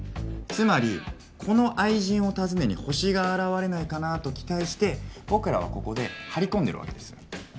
つまりこの愛人を訪ねにホシが現れないかなあと期待して僕らはここで張り込んでるわけです。